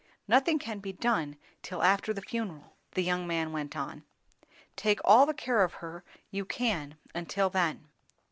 "Nothing can be done, till after the funeral," the young man went on. "Take all the care of her you can until then.